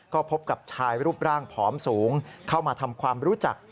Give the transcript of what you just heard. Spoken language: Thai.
ก็พบกับชายรูปร่างผอมสูงเข้ามาทำความรู้จัก